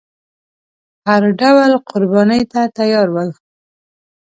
هر ډول قربانۍ ته تیار ول.